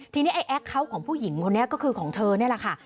ทีนี้ไอ้แอคเคาน์ของผู้หญิงคนนี้ก็คือของเธอนี่แหละค่ะ